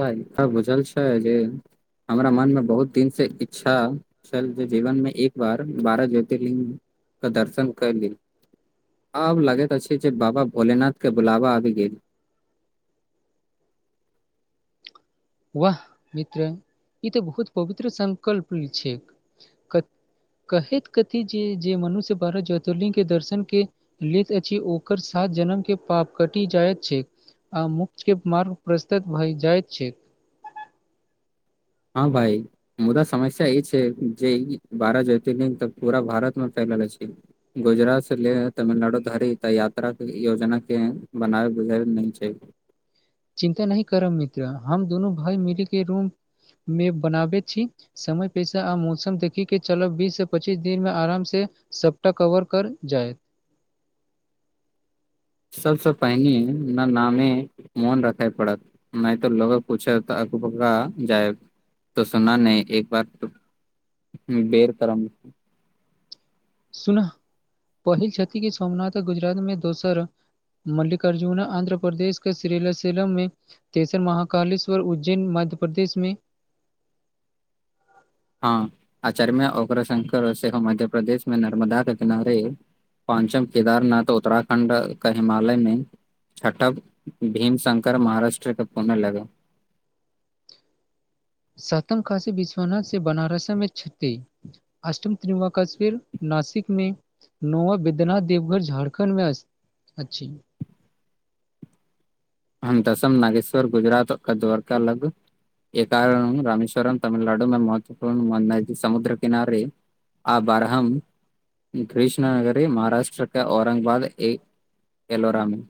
ई बुझल छै जे हमरा मन मे बहुत दिन से इच्छा छल जे जीवन मे एक बार बारह ज्योतिलिंग क दर्शन करि ली आब लगति अछि जे बाबा भोलेनाथ के बुलावा आबि गेल वाह मित्र ई तऽ बहुत पवित्र संकल्प छैक क कहति कथी जे जे मनुष्य बारह ज्योतिर्लिंग के दर्शन के लित अछि ओकर सात जनम के पाप कटि जायत छै आ मोक्ष के मार्ग प्रस्तुत भए जाइत छै हँ भाई मुदा समस्या ई छै जे ई बारह ज्योतिर्लिंग तऽ पूरा भारत मे फलिल अछि गुजरात से लेए तमिलनाडु धारि तऽ यात्राक के ई योजना के बनाब बुझलि नहि छै चिन्ता नही करब मित्र हम दुनू भाय मिल के रूम मे बनाबे छी समय पैसा आ मौसम देखि के चलब बीस से पच्चीस दिन मे आराम से सबटा कवर कर जाय सबसँ पहिनी ननामे मोन रखय पड़त नहि तऽ लोग पूछत त अक बका जाय तऽ सुना ने एक बार बेर करम सुनह पहिल क्षति की सोमनाथ गुजरात मे दोसर मल्लिकार्जुना आन्ध्र प्रदेश के स्रिलासीलम मे तेसर महाकालेश्वर उज्जैन मध्य प्रदेश मे हँ आचार्य मे ओकरा शंकर सेहो मध्य प्रदेश मे नर्मदा के किनारे पांचम केदारनाथ उत्तराखण्ड क हिमालय मे छठब भीमशंकर महाराष्ट्रके पुणे लगे सहतम काशी विश्वनाथ से बनारसा मे छति अष्टम त्रिमुकश्वीर नासिक मे नौवा बैद्यनाथ देवघर झारखण्ड मे अ अछी हम दसम नागेश्वर गुजरात क द्वारका लग ए कारण रामेश्वरम तमिलनाडु मे महत्वपूर्ण मननाय जे समुद्र किनारे आ बारहम कृष्ण नगरी महाराष्ट्रके औरंगबाद ए एलोरा मे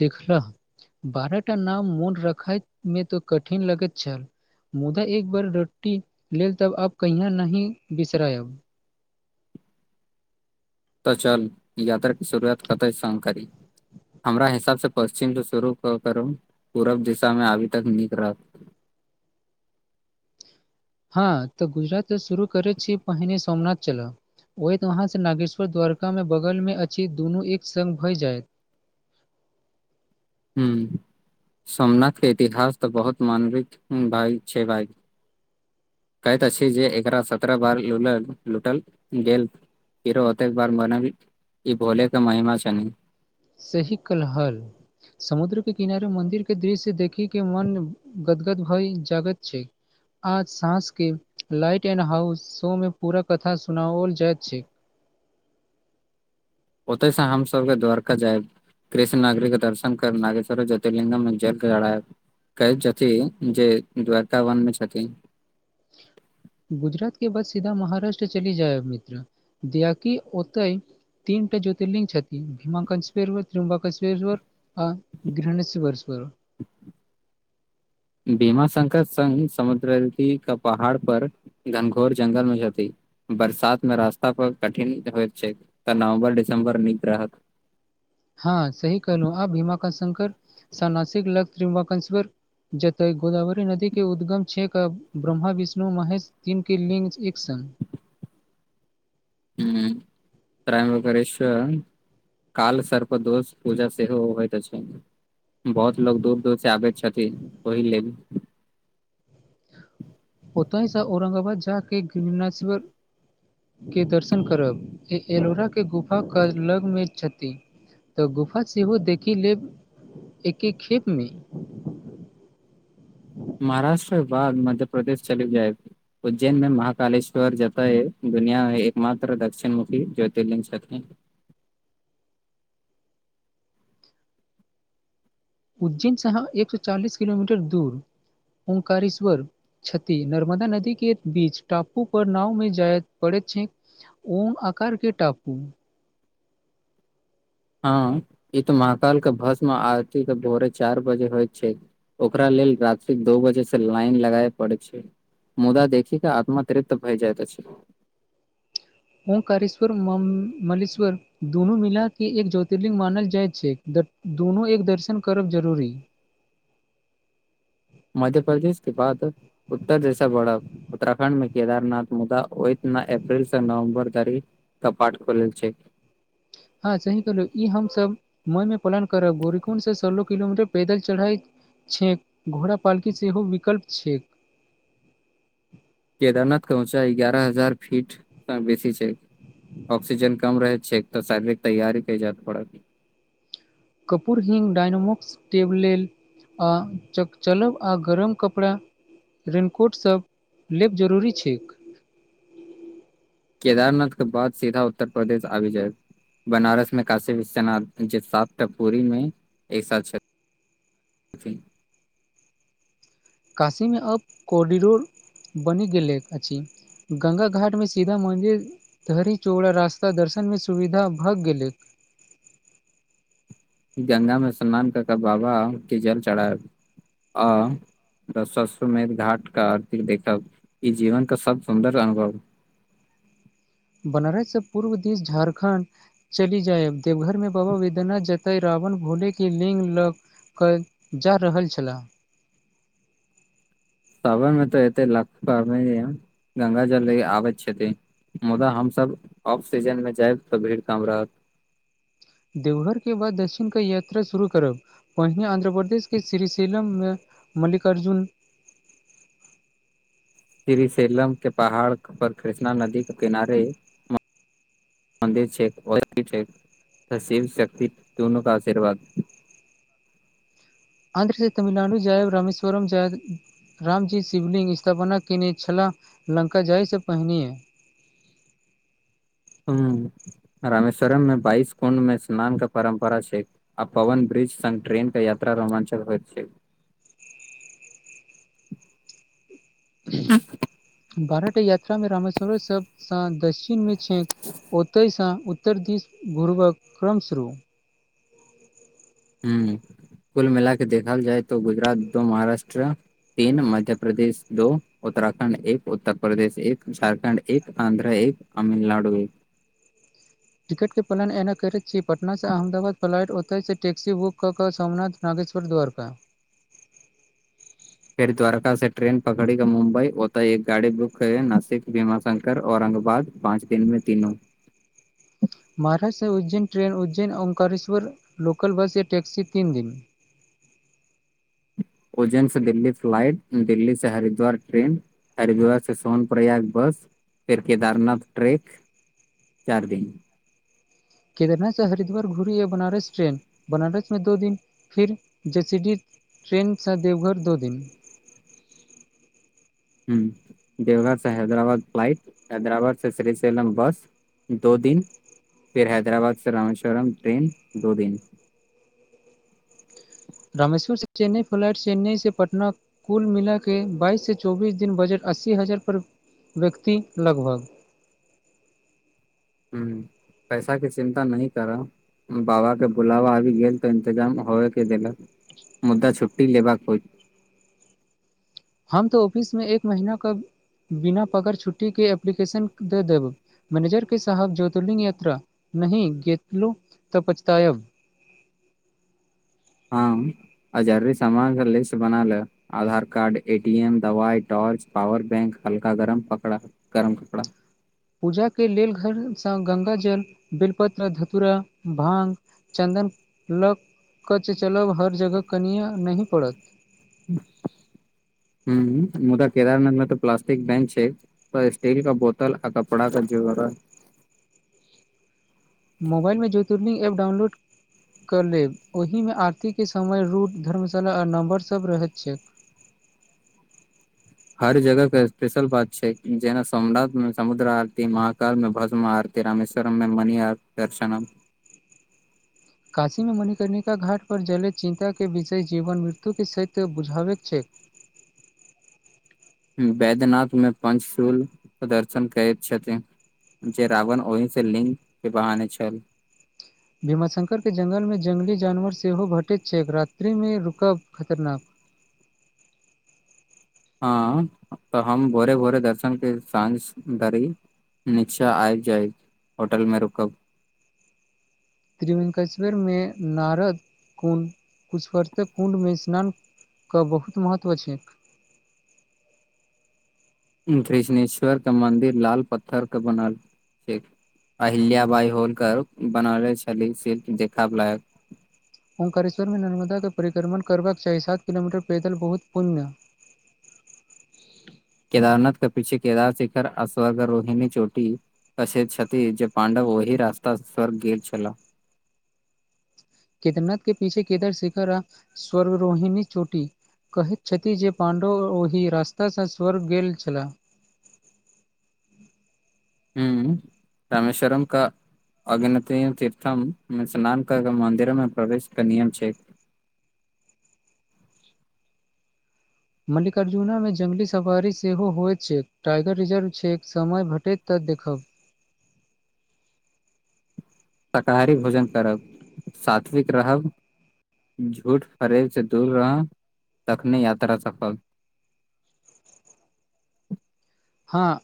देखलह बारह टा नाम मोन रखय मे तऽ कठिन लगति छल मुदा एक बार रोटी लेल तब आब कहियो नाहि बिसरयब तऽ चल यात्रा क शुरुआत कत संग करी हमरा हिसाब से पश्चिम स शुरू क करू पूरब दिशा मे आबी त नीक रहत हँ तऽ गुजरात स शुरू करै छी पहिने सोमनाथ चलब होइत वहाँ से नागेश्वर द्वारका मे बगल मे अछि दुनू एक संग भऽ जायत हूं सोमनाथ के इतिहास तऽ बहुत मानविक भाय छै भाय कहति अछि जे एकरा सत्रह बार लूलल लूटल गेल फिरो ओते बार मनाबी ई भोले के महिमा छनि ई सही कल हल समुद्र के किनारे मंन्दिर के दृश्य देखी के मन गदगद भई जागति छै आज साँसके लाइट एंड हाउस शो मे पूरा कथा सुनाओल जाइत छै ओतय से हम सबके द्वारका जायब कृष्ण नागगिके दर्शन कर नागेश्वर जोतिर्लिंगग मे जल चढ़ायव कहति छथिन जे द्वारका वन मे छथिन गुजरात के बाद सीधा महाराष्ट्र चली जायब मित्र दियाकि ओतय तीनटा जोतिर्लिंग छथि भीमाकंरर त्रम सरर आ गृहणसँ बरस बर भीमाशंकर संग समुद्र क पहाड़ पर घनघोर जंगल मे जेती बरसात मे रास्ता पर कठिन होइत छै तऽ नवम्बर डिसम्बर नीक रहत हँ सही कहलौं आ हीमाक शंकर श नासिक ल त्रंबकेश्वर जतय गोदावरी नदी के उद्गम छै क ब्रह्म विष्णु महेश तीन के लिङ् एक संग हूं प्रायय करेशम काल सर्प दोष पूजा सेहो होयतऽ अछि बहुत लोग दूर - दूर से आबैत छथि ओहि लेल ओत ही स औरंगाबाद जाक [unintelligible] केँ दर्शन करब ए एलोरा केँ गुफा कऽ लगमे छथि तऽ गुफा सेहो देखि लेब एके खेप मे महाराष्ट्र बाद मध्य प्रदेश चलि जाएब उज्जैन मे महकालेश्वर जतैय दुनियामे एक मात्र दक्षिण मुखी ज्योतिरलिंग छथि उज्जैन शाह एक सौ चालीस किलोमीटर दूर उमकारेश्वर छथि नर्मदा नदी केँ बीच टापू पर नाव मे जायत पड़ैत छै ओम आकार केँ टापू हँ ई तो महकाल कऽ भस्म आरती कऽ भोरे चाइर बजे होयत छै ओकरा लेल रात्रिक दो बजे से लाइन लगाय परैत छै मुदा देखि केँ आत्म तृप्त भइ जाइत छै ओमकारेश्वर म्लेश्वर दुनू मिलाके एक ज्योतिर्लिंग मानल जाइत छै दत्त दुनू एक दर्शन करब जरूरी मध्य प्रदेश केँ बाद उत्तर दिशा बढ़ब उत्तराखण्ड मे केदारनाथ मुदा ओतना अप्रिल से नवम्बर धरि कपाट खुलल छै हँ सही कहलहु ई हमसभ मन मे पलन करब गोरीकुंड सँ सोलह किलोमीटर पैदल चढ़ाई छैक घोड़ा पालकी सेहो विकल्प छै केदारनाथ कऽ ऊँचाइ एगारह हजार फीटसँ बेसी छै ऑकसीजन कम रहैत छै एक तऽ शारीरिक तैयारी कैच जायत पड़त कर्पूरहिंग डायनोमक्स टेब लेल आ चक - चलब आ गरम कपड़ा रेननकोटसभ लेब जरूरी छैक केदारनाथ कऽ बाद सीधा उत्तर प्रदेश आबि जाएब बनारस मे काशी विश्वनाथ जे सात टा पूरी मे एक साथ छ थि काशीमे अब कोरिडोर बनि गेल अछि गंगा घाटमे सीधा मन्दिर धरी चोड़ा रास्ता दर्शन मे सुविधा भऽ गेलैक गंगा मे स्नान कऽ कऽ बाबा केँ जल चढ़एब अ तऽ ससुरमेघ घाट कऽ आरती देखब ई जीवन केँ सब सुंन्दर अनुभव बनारस सँ पूर्व दिश झारखण्ड चली जाय देवघर मे बाबा वेद्यनाथ जताय रावण भोले केँ लिंग ल कऽ जा रहल छलाह साबरमे तऽ एतै लाख कावरीया गंगा जले ले अबैत छथि मुदा हमसब ऑफ सीजन मे जायब तऽ भीड़ काम रहत देवघर केँ बाद दक्षिण कऽ यात्रा शुरू करब वहिने आन्ध्रपदेश केँ श्रीशैलम मे मल्लिकार्जुन श्रीसलम केँ पहाड़ पर कृष्णा नदी कऽ किनारे मन्दिर छै [unintelligible] शिव शक्त दुनू कऽ आशीर्वाद आंध्र से तमिलनाडु जैब रामेश्वरम जैब रामजी शिवलिंग स्थापना कयने छलाह लंका जाहिसँ पहिनेए रमेश्वरममे बाइस कुण्ड मे स्नान कऽ परम्परा छै आ पवन ब्रिज सन ट्रेन कऽ यात्रा रोमांचक होइत छै बारह यात्रामे राश्वर सब सँ दक्षिण मे छैक ओतहिसँ उत्तर दिस घूुरबाक क्रम शुरू ह कुल मिला के देखल जाय तऽ गुजरात दो महाराष्ट्र तीन मध्य प्रदेश दो उत्तराखण्ड एक उत्तर प्रदेश एक झारखण्ड एक आन्ध्र एक तमिलनाड भ टिकटके पलान एना करैत छी पटनासँ अहमदाबाद फ्लाइटतऽसँ टैक्सी बुक कऽ कऽ सोमनाथ नागेश्वर द्वारक फेर द्वारका से ट्रेन पकड़ी क मुम्बई ओतय एक गाड़ी बुक क है नासिक सिमा शङ्शंकर औरङंगाबाद पाँच दिनमे तीनो महाराष्ट्र उज्जैन से ्रन उज्जैन औंकारेश्वर ल लोककल बस या ैक्सी तीन दिन उज्जैन से दिल्ली फ्लाइट दिल्ी से हरिद्वार ट्रेन हरिद्वार से सोन प्रयाग बस फेर केदारनाथ ट्रेन ‌ चारि दिन केदरनासँ हरिद्वार घुरीहबनारस ट्रेन बनारस में दो दिन फिर जैसि डिह ट्रेन सा देवघर दो दिन ह देवघर से हैदराबाद फ्लाइट हैदराबाद से शेलम बस दोदिन फेर हैदराबाद से रामेश्वरम ट्रेन दोदिन रमेश्वर से चेन्नई फ्लाइट चेन्नई से पटना कुल मिला के बाइसँ चौबीस दिन बजट अस्सी हजार पर व्यक्ति लगभग ह पैसा के चिन्ता नहि करऽ बाबा के बुलावा आबी गेल तऽ इंतजाम होेवेकै देलक मुदा छु्ी लेबाक होयत हम तऽ ऑफिसमे एक महिनाके बिना पगार छुट्टीके एप्लीकेशन दऽ देब मैनेजर के सााहब ज्योतिर्लिंग यात्रा नहि गतलो तऽ पछतायब हँ आ जलदिसमामान लिस्ट बना ले Aadhaar card A T M दवाइ टॉर्च पावर बैंक हल्का गरम पकड़ा गरम कपड़ा पूजा के लेल घरसँ गंगा जल बेलपत्र धतुरा भांगं चन्दन लग क च चलब हर जगह किनिआ नहि पड़त हू मुदा केदारनाथमे तऽ प्लस्टिक बैंन छै त स्टील कबोतल आ कपड़ा क जोगार मोबाइलमे ज्योतिर्लिंग एपडाउनलोड कऽ लेब ओहिमे आरतीके समय रूट धर्मशाला आ नम्र सभ रहैत छैक हर जगह के स्पेशल बात छै जेना सोमनााथ में समुद्र आरती महाकाल में भस्म आरती त राममेश्वरममें मनि आ दर्शन काशीमे मणिकर्णिका घाट परजले चिन्ताे विषय जीवन मृत्युके सात बुझावैत छैय वैद्यनाथमे पञचूल प्रदर्शन करैत छथिन जे रावण ओहि से लिंग के बहाने छल भीमाशंकरके जंगलमे जंगली जानवर सेहो भेटैत छैक रात्रिमे रुकब खतरनाक हँ तऽ हम भोरे भोरे दर्शन कैसाँझ धरी नीचा आबि जायब होटल मे रुकब त्रिवेंकेश्वरमे नारद कुण्ड कुशवर्तक कुण्डमे स्नान क बहुत महत्व छैय कृष्णेश्वर कऽ मंन्दिर लाल पत्थर कऽ बनल छैक अहिल्या बाइ होलकर बनोले छली सेशिल्प देखबै लायक ऊंकारेश्वर में नर्मदा के परिक्रमण करबाक चाही सात किलोमीटर पैदल बहुत पुण्य केदारनाथ के पीछे केदार शिखर अस्वगर रोहीनी चोटी बसैत छथि जे पांडव ओही रास्ता सऽ स्वर्ग गेल छल केदर [unintelligible] नथ के पीछे केदर शिखर आ स्वर्ग रोहिणी चोटी कहैत छथि जे पाण्डव ओहि रास्तासँ स्वर्ग गेल छलाह हूँ रमेश्वरम का अगिनति तीर्थम मे स्नान कर के मंन्दिरो मे प्रवेश के नियम छै मल्लिकार्जुनामे जंगली सवारी सेहो होइत छै टाइगर रिजर्व छै समय भेटैत तऽ शाकाहारी भोजन करब सात्विक रहब झूठ फरेब स दूर रहब तखने यात्रा सफल हँ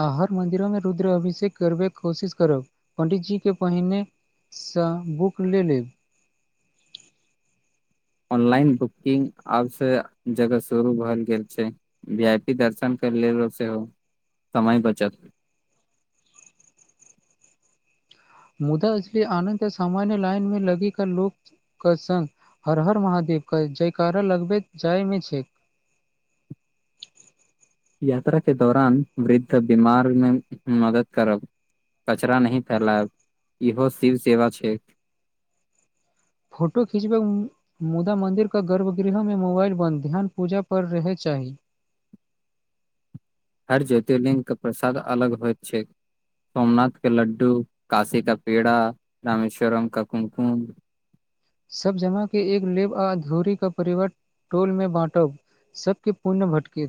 आ हर मन्दिरोमे रुद्र अभिषेक करबैके कोशिश करब पण्डितजीके पहिने स बुक कऽ लेब ऑनलाइन बुकिंग आब सब जगह शुरू भऽ गेल छै वी आइ पी दर्शन कर लेलो सेहो समय बचत मुदा अछि अनंत सामान्य लाइन मे लगी का लोक क संग हर हर महादेव करैत जयकारा लगबैत जायमे यात्रा के दौरान वृद्ध मार्ग मे मदद करब कचरा नही फैलाब इहो शिव सेवा छैय फोटो खीचबैमे मुदा मन्दिरके गर्भगृहमे मोबाइल बन्द ध्यान पूजा पर रहय चाही हर ज्योतिर्लिंग के प्रसाद अलग होइत छै सोमनाथ के लड्डू काशी का पेड़ा रमेश्वरम का कुमकुम सब जमा के एक लेब आधूरी क परिवर टोल मे बाँटब सबके पूर्ण भटके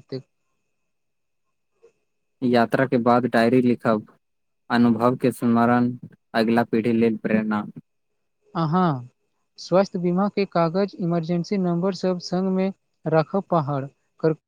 यात्रा के बाद डायरी लिखब अनुभव के स्मरण अगिला पीढ़ी लेल प्रेरणा। अहाँ स्वास्थ्य बीमाके कागज इमरजेंसी नम्बरसभ संगमे राखब पहाड़